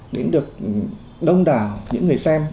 đến được đông đảo những người xem